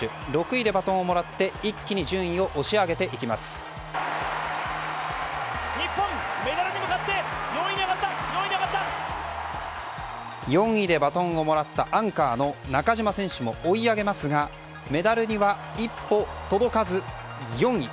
６位でバトンをもらって日本、メダルに向かって４位でバトンをもらったアンカーの中島選手も追い上げますがメダルには一歩届かず、４位。